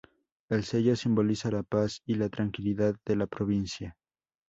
El sello simboliza la paz y la tranquilidad de la provincia.